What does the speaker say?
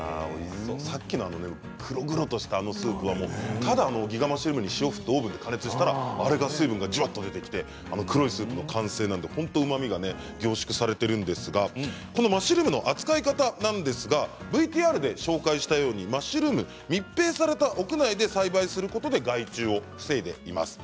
さっきの黒々としたスープギガマッシュルームに塩を振ってオーブンで加熱したらあれだけ水分が出て黒いスープの完成なのでうまみが凝縮されているんですがこのマッシュルームの扱い方なんですがＶＴＲで紹介したようにマッシュルームは密閉された屋内で栽培することで害虫を防いでいます。